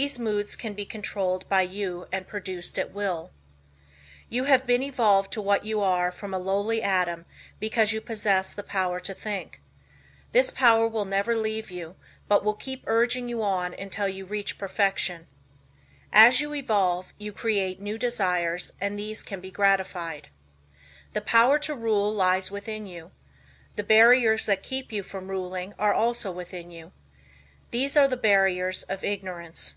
These moods can be controlled by you and produced at will. You have been evolved to what you are from a lowly atom because you possessed the power to think. This power will never leave you, but will keep urging you on until you reach perfection. As you evolve, you create new desires and these can be gratified. The power to rule lies within you. The barriers that keep you from ruling are also within you. These are the barriers of ignorance.